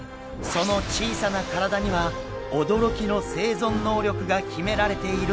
その小さな体には驚きの生存能力が秘められているんです。